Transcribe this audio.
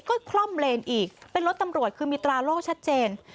ก็คล่อมเลนอีกเป็นรถตำรวจคือมีตราโล่ชัดเจน